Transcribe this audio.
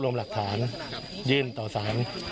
กลุ่มตัวเชียงใหม่